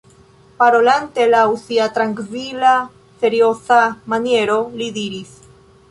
Parolante laŭ sia trankvila, serioza maniero, li diris: